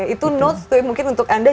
itu notes toy mungkin untuk anda